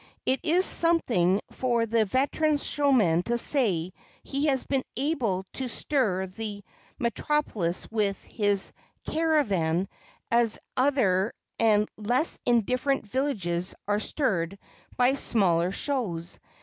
It is something for the veteran showman to say he has been able to stir the metropolis with his caravan as other and less indifferent villages are stirred by smaller shows.